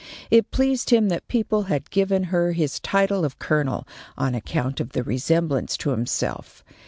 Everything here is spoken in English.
It pleased him that people had given her his title of Colonel on account of the resemblance to himself.